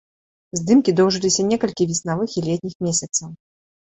Здымкі доўжыліся некалькі веснавых і летніх месяцаў.